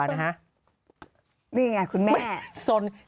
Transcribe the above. นี่ไงคุณแม่สน